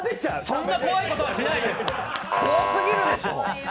そんな怖いことしないです、怖すぎるでしょ！